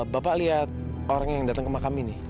bapak lihat orang yang datang ke makam ini